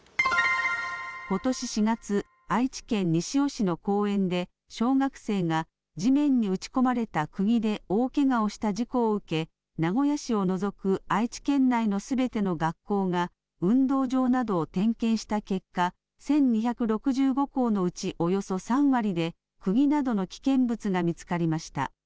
ことし４月、愛知県西尾市の公園で小学生が地面に打ち込まれたくぎで大けがをした事故を受け、名古屋市を除く愛知県内のすべての学校が運動場などを点検した結果、１２６５校のうちおよそ３割で、くぎなどの危険物が見つかりました。